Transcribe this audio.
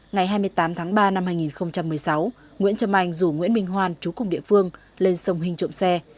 ngày hai mươi tám tháng ba năm hai nghìn một mươi sáu nguyễn trâm anh rủ nguyễn minh hoan chú cùng địa phương lên sông hình trộm xe